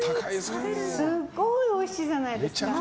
すごいおいしいじゃないですか。